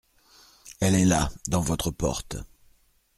Elle est là dans votre porte.